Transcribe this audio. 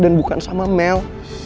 dan bukan sama mel